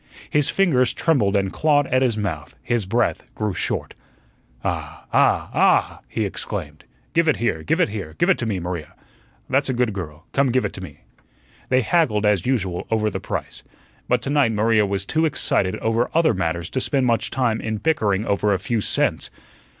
His fingers trembled and clawed at his mouth; his breath grew short. "Ah, ah, ah!" he exclaimed, "give it here, give it here; give it to me, Maria. That's a good girl, come give it to me." They haggled as usual over the price, but to night Maria was too excited over other matters to spend much time in bickering over a few cents.